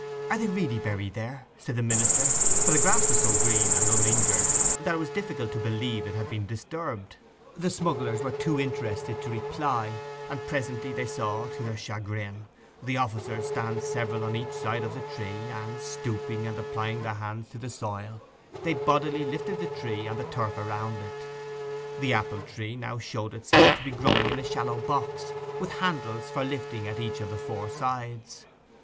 'Are they really buried there?' said the minister, for the grass was so green and uninjured that it was difficult to believe it had been disturbed. The smugglers were too interested to reply, and presently they saw, to their chagrin, the officers stand several on each side of the tree; and, stooping and applying their hands to the soil, they bodily lifted the tree and the turf around it. The apple tree now showed itself to be growing in a shallow box, with handles for lifting at each of the four sides.